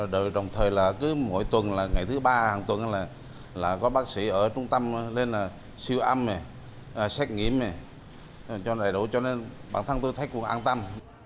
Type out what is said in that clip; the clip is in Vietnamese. đồng thời là cứ mỗi tuần là ngày thứ ba hàng tuần là có bác sĩ ở trung tâm lên là siêu âm xác nghiệm cho đầy đủ cho nên bản thân tôi thấy cũng an tâm